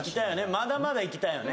まだまだいきたいよね